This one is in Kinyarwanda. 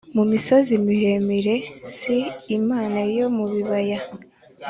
Mu misozi miremire si imana yo mu bibaya